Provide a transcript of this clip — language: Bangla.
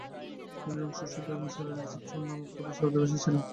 তিনি রোম-শাসিত মিশরের ইজিপ্টাস নামক প্রদেশের অধিবাসী ছিলেন।